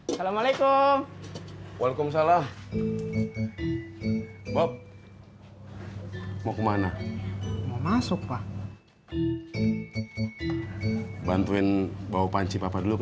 assalamualaikum waalaikumsalam mau kemana mau masuk pak bantuin bau panci papa dulu ke